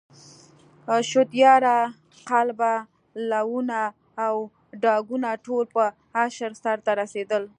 شودیاره، قلبه، لوونه او ډاګونه ټول په اشر سرته رسېدل.